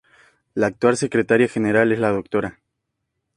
La actual Secretaría General es la Dra.